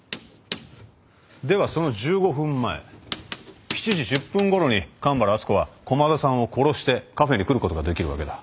ではその１５分前７時１０分ごろに神原敦子は駒田さんを殺してカフェに来ることができるわけだ。